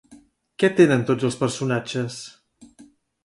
Què tenen tots els personatges?